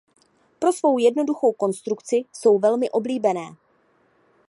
Pro svou jednoduchou konstrukci jsou velmi oblíbené.